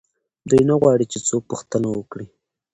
دوی نه غواړي چې څوک پوښتنه وکړي.